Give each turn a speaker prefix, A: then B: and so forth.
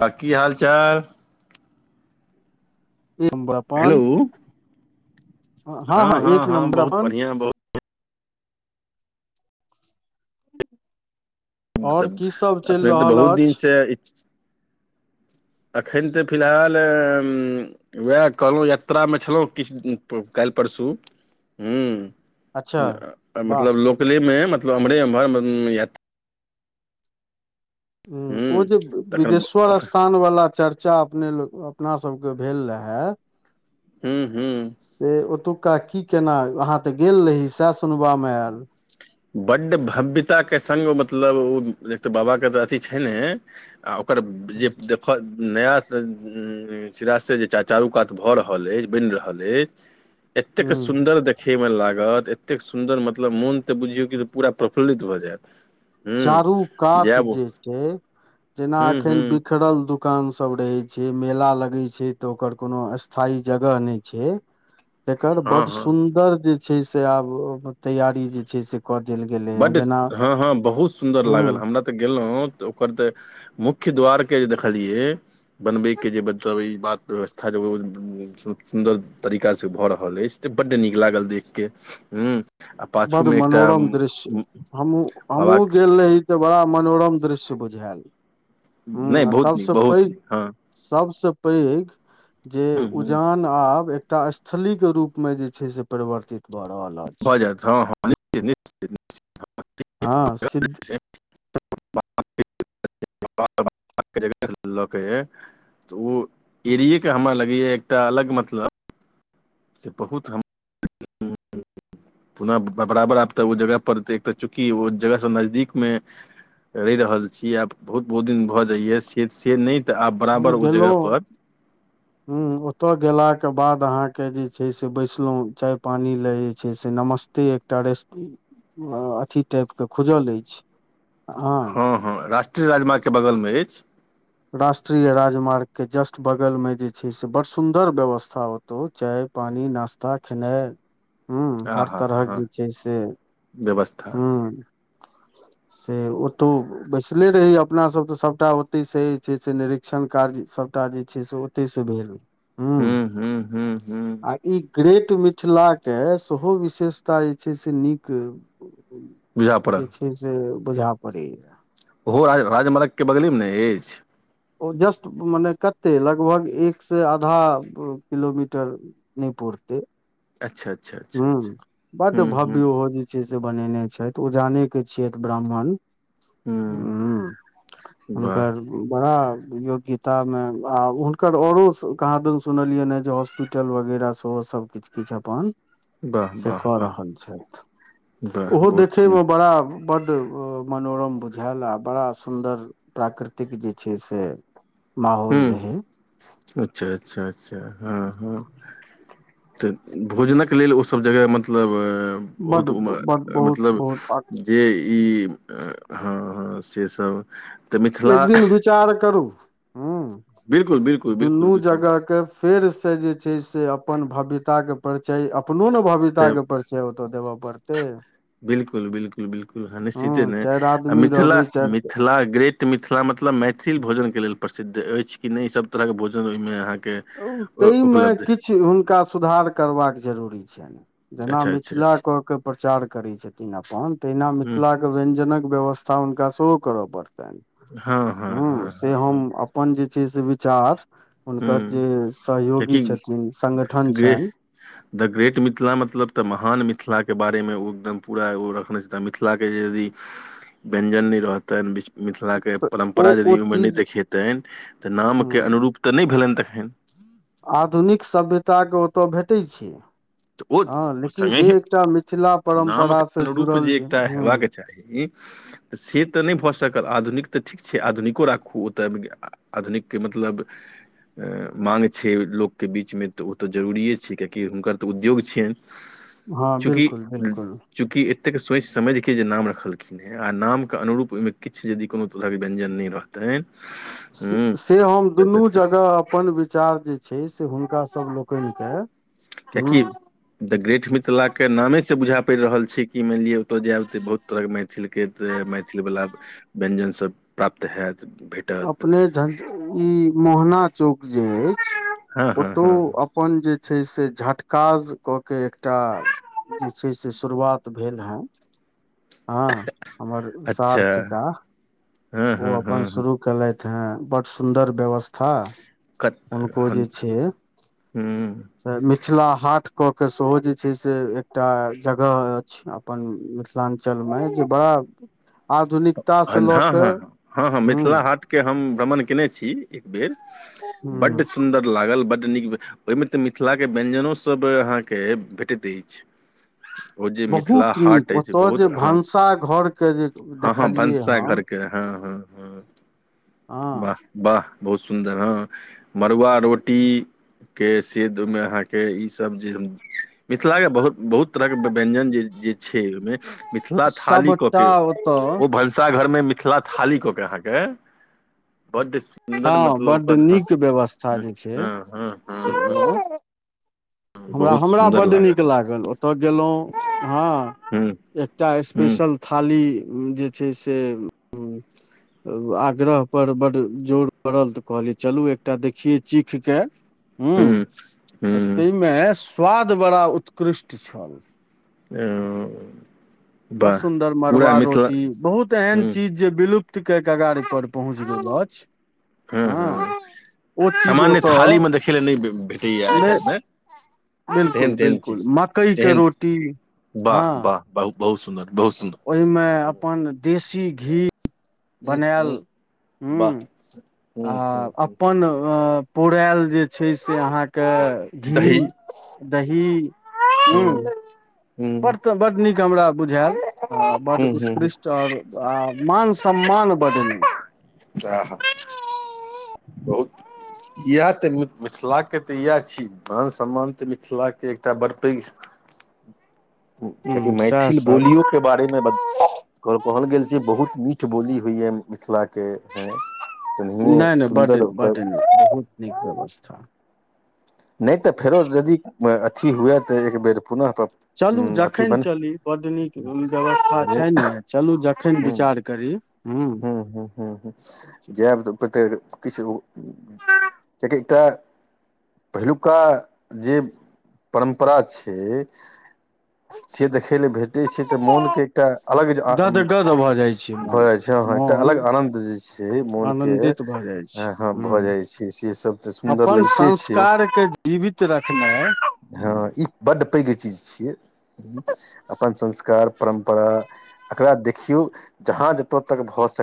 A: त कि हाल चाल
B: ई [unintelligible]
A: हेलौ
B: हँ हँ एक नंबर
A: बहुत
B: अपन
A: बढ़िआँ
B: और
A: मलब
B: की सब चलि
A: अपनेके तऽ
B: रहल
A: बहुत
B: अछि
A: दिनसँ [unintelligible] एखन तऽ फिलहाल एम उएह कहलहुँ यात्रामे छलहुँ किछु काल्हि परसू हू
B: अच्छा वाह ह
A: मतलब लोकलेमे मतलब एम्हरे एम्हर
B: ह ओ
A: हूँ
B: जे
A: तखन
B: बिदेश्वर
A: ब-
B: स्थान वाला चर्च बच्चा अपने ल अपना सबके भेल रहां
A: हू हू
B: से ओतुक्का की केना अहाँ तऽ गेल रही सएह सुनबामे आयल
A: बड्ड भव्यताके सङ्ग मतलब ओ एक तऽ बाबाके तऽ अथि छै ने आ ओकर जे देखऽ नया स सिरासे जे चा चारू कात भऽ रहल अछि बैन रहल अछि ऐतेक
B: ह
A: सुंदर देखे में लागत ऐतेक सुन्दर मतलब मोन तऽ बुझियौ कि त पूरा प्रफुल्लित भऽ जायत हूँ
B: चारू कात
A: जायब
B: जे छै जेना
A: हूँ
B: एखन
A: हूँ
B: बिखरल दुख कान सब रहे छै मेला लगे छै तऽ ओकर कोनो स्थायी जगह नहि छै
A: [inaudible] [inaudible]
B: एकर
A: हँ
B: बड
A: हँ
B: सुन्दर जे छै से आब तैयारी जे छै से कऽ देल गेलै हँ
A: बड्ड
B: जेना
A: हँ हँ बहुत सुन्दर लागल
B: हूं
A: हमरा तऽ गेलहुँ तऽ ओकर तऽ मुख्य द्वार के जे देखलियै बनबयके जे मतलब ई बात व्यवस्था ओ सु सुन्दर तरीकाँ भऽ रहल अछि त बड्डे नीक लागल देख के हू
B: बड़ मनोरम दृश्य हम
A: बाबा
B: हमहु गेल रही तऽ बड़ा मनोरम दृश्य बुझायल ह
A: नहि
B: आ
A: बहुत
B: सबस
A: नीक बहुत
B: पैघ
A: नीक हँ
B: सभसँ पैघ जे
A: हूँ हूँ
B: उजान आब एकटा अस छलली के रूप मे जे छै से परिवर्तित भऽ रहल अछि
A: भऽ जायत हँ हँ निश्चित
B: हँ सिद्ध
A: [unintelligible] [unintelligible] ज लऽकै तऽ ओ [unintelligible] ऐरिए के हमरा लगैय एकटा अलग मतलब से बहुत हम [unintelligible] पुः बराबर आब तऽ ओ जगह पर तऽ चूँकि ओ जगहसँ नजदीकमे रहि रहल छी आब बहुत बहुत दिन भऽ जाइए से से नहि तऽ आब बराबर ओ जगहपर
B: हू ओतऽ गेलाके बाद अहाँके जे छै से बैसलहुँ चाय पानि लए जे छै से नमस्ते टैरेस अथी टाइप के खुजल अछि हँ
A: हँ हँ राष्ट्रय राजमार्ग के बगल मे अछि
B: राष्ट्रीय राजमार्गके जस्ट बगलमे जे छै से बड़ सुन्दर व्यवस्था ओते तो चाय पानी नाश्ता खेनाइ
A: [inaudible]
B: हूंम्म
A: आ
B: हर
A: हा
B: तरहक
A: हँ
B: जे छै से
A: व्यवस्था
B: हूंम्म से ओतौ बैसले रहि अपना सब तऽ सबटा ओते से जे छै से निरीक्षण कार्य सभटा जे छै से ओतै से भेल
A: हूँ
B: हूंम्म
A: हूँ हूँ हूँ
B: आ ई ग्रेट मिथिलाके सेहो बिशेषता जे छै से नीक
A: बुझा
B: जे
A: पड़ल
B: छै से बुझा पड़ैय
A: ओहो राज राजमार्गके बगलेमे न अछि
B: ओ जस्ट मने कते लगभग एक से आधा किलोमीटर नहि पुरतै
A: अच्छा अच्छा अच्छा
B: हूंम्म
A: अच्छा
B: बड्ड
A: हूँ हूँ
B: भव्य ओहो जे छै से बनेने छथि ओजाने के छियैथ ब्राह्मण
A: हूँ
B: हूंम्म
A: वाह
B: हुनकर बड़ा योग्यता मे आ हुनकर औरो कहाँ दन सुनलियनि हें जे हॉस्पिटल होस्पीटल वगैरह सेहो सब किछु किछु अपन
A: वाह
B: से
A: वाह
B: कऽ
A: वाह
B: रहल छथि
A: वाह
B: ओहो
A: बहुत सुन
B: देखैमे बड़ा बड्ड मनोरम बुझेल आ बड़ा सुन्दर प्राकृतिक जे छै से माहौल
A: हूँ
B: रहै
A: अच्छा अच्छा अच्छा हँ हँ तऽ भोजनक लेल ओसभ जगह मतलब
B: बड
A: बहुत
B: बड
A: [unintelligible]
B: बहुत
A: मतलब
B: बहुत
A: जे ई हँ हँ से सब
B: एक दिन विचार करू
A: बिलकुल
B: हूंम्म
A: बिलकुल बिलकुल
B: दुनू
A: बिलकुल
B: जगह के फेरसँ जे छै से अपन भव्यताके परिचय अपनो न भव
A: तऽ
B: [unintelligible] के परिचय ओतऽ देबऽ पड़तै
A: बिलकुल बिलकुल बिलकुल हँ निश्चिते ने
B: चारि
A: आ
B: आदमी
A: मिथिला
B: रहबै चारि
A: मिथिला ग्रेट तऽ मिथिला मतलब मैथिल भोजनके लेल प्रसिद्ध अछि कि नहि ई सभ तरहके भोजन ओहिमे अहाँके अ,
B: ताहिमे
A: उपलब्ध अछि
B: किछु हुनका सुधार करबाक जरूरी छनि जेना
A: अच्छा अच्छा
B: मिथिला कऽ के प्रचार करैत छथिन अपन तहिना
A: हँ
B: मिथिला के वयंज्जनक व्यवस्था हुनका सेहो करय परतैन
A: हँ हँ
B: हूंम्म
A: हँ
B: से हम
A: हँ
B: अप पन जे छै से विचार
A: हँ
B: हुनकर जे सहयोगी छथिन संगठन
A: कियाकि
B: छनि
A: द ग्रेट मिथिला मतलब तऽ महान मिथिला के बारे मे ओ एकदम पूरा ओ रखने तऽ मिथिला के यदि व्यंजन नहि रहतनि मिथिलाके
B: तऽ ओ
A: परम्परा
B: ओ
A: यदि ओहिमे नहि
B: चीज
A: देखेतनि तऽ नामके अनुरूप तऽ नहि भेलनि तखैन
B: आधुनिक सभ्यताकेँ ओतय भेटैत छै
A: तऽ ओ
B: हँ लेकिन
A: सङ्गहि
B: जे एकटा मिथिला परम्परँ
A: नामके अनुरूप
B: जुड़ल जे
A: एकटा
B: हूंम्म
A: हेबाक चाही तऽ से तऽ नहि भऽ सकल आधुनिक तऽ ठीक छै आधुनिको राखू ओतय [unintelligible] आधुनिकके मतलब माँग छै लोकके बीचमे तऽ ओ तऽ जरूरिए छै कियेकि हुनकर तऽ उद्योग छियनि
B: हँ
A: चूँकि
B: बिल्कुल बिल्कुल
A: चूँकि एतेक सोचि समझिके जे नाम रखलखीन आ नामके अनुरूप ओहिमे किछु यदि कोनो तरहके व्यञ्जन नहि रहतनि
B: से
A: हूँ
B: से हम
A: तऽ
B: दुनू
A: तऽ- तऽ
B: जगह अपन विचार जे छै से हुनकासभ लोकनिके
A: कियाकि द ग्रेट मिथिलाके नामेसँ बुझा पड़ि रहल छै कि मानि लिअ ओतय जायब तऽ बहुत तरहके मैथिल के तऽ मैथिल वला व्यञ्जन सब प्राप्त होयत भेट
B: अपने झंग ई मोहना चौक जे अछि
A: हँ हँ
B: ओतौ
A: हँ हँ
B: अप पन जे छै से झटकाज कऽ के एकटा जे छै से शुरुआत भेल हेँन
A: [inaudible]
B: हँ हमर सार
A: अच्छा
B: छिका
A: हँ
B: ओ
A: हँ हँ
B: अपन
A: हँ
B: शुरू केलथि है बड सुंदर व्यवस्था हँ
A: कत
B: हुनको
A: हँ
B: जे छै
A: हँ
B: त मिथिला हाट कऽ के सेहो जे छै से एकटा जगह अछि अपन मिथिलांचल में जे बा आधुनिकता से लऽ कऽ हू
A: के हम भ्रमण केने छी एक बेर
B: हूं
A: बड्ड सुन्दर लागल बड्ड नीक ओहिमे तऽ मिथिला के व्यंजनो सब अहाँके भेटैत अछि ओ जे मिथिला
B: बहुत
A: हाट
B: नीक
A: अछि
B: ओतय
A: बहुत
B: जे
A: हँ
B: भनसाघरके जे
A: हँ हँ
B: देखलियै हम
A: भनसाघरके हँ हँ हँ
B: हँ
A: वाह वाह बहुत सुन्दर हँ मड़ुआ रोटी के सीधमे अहाँके इसभ जे हम मिथिलाके बहुत बहुत तरहके व्यञ्जन जे जे छै ओहिमे मिथिला थाली कऽ के
B: तऽ
A: भनसाघरमे मिथिला थाली कऽ के अहाँके बड
B: हँ बड नीक व्यवस्था जे छै
A: हँ हँ हँ हँ,
B: से हमरा
A: बहुत
B: हमरा
A: सुन्दर
B: बड्ड नीक लागल ओतय गेलौ हँ
A: हूँ
B: एकटा
A: हुँ
B: स्पेशल थाली जे छै से आग्रह पर बड्ड जोर पड़ल तऽ कहलियै चलू एकटा देखियै चीखके हू
A: हुँ
B: तऽ
A: हुँ
B: ताहिमे स्वाद बड़ा उत्कृष्ट छल
A: आ
B: बड़ सुन्दर मड़ुआ रोटी बहुत एहन
A: हुँ
B: चीज जे विलुप्त के कगार पर पहुँच गेल अछ
A: हँ हँ
B: चीज
A: सामान्य
B: ओतऽ
A: थालीमे देखै लए नहि भेटैए आइ
B: नहि
A: काल्हिमे तेहन
B: बिल्कुल
A: तेहन चीज
B: बिल्कुल मकई के
A: तेहन
B: रोटी
A: वाह वाह ब बहुत सुन्दर बहुत सुन्दर
B: ओहि मे अपन देशी घी
A: हुँ
B: बनायल
A: हुँ
B: हूं
A: वाह
B: आ
A: हुँ हुँ हुँ
B: अपन अ पौरायल जे छै से आहाँ के घी
A: दही
B: दही हूं
A: हुँ
B: बड
A: हुँ
B: त बड नीक हमरा बुझैल बड
A: हुँ हुँ
B: उतकृष्ट त आब मान सम्मान बढ़ले कै
A: आहा बहुत इएह तऽ मिथिला के तऽ इएह छी मान सम्मान तऽ मिथिला के एकटा बड़ पैघ ओ कियाकि
B: हूं सएह
A: मैथिल
B: सब
A: बोलियो के बारेमे ब कहल गेल छै बहुत मीठ बोली होइए मिथिला के ए
B: नहि नहि बड्ड बडनीक बहुत नीक व्यवस्था
A: नहि तऽ फेरो यदि अथी हुए तऽ एक बेर पुनः
B: चलू
A: अथी
B: जखन
A: बन
B: चली बड नीक व्यवस्था
A: ह
B: छै ने चलू जखन विचार करी हूं
A: हू हू हू ह जायब तऽ प्रतर के किछ [unintelligible] का एकटा [unintelligible] पहिलुका जे परम्परा छै से देखै लए भेटै छै तऽ मोन के एकटा अलग
B: गदगद भऽ जाइ छै मोन
A: भऽ जाय
B: मोन
A: मोनके
B: आनन्दित भऽ जाइ छै
A: हँ
B: हू
A: भऽ जाइ छै से सब तऽ सुन्दर
B: अपन
A: लगिते छै
B: संस्कार के जीवित रखनाइ ह
A: हँ ई बड पैघ चीज छियै अपन संस्कार परम्परा एकरा देखियौ जहाँ जत तक भ सक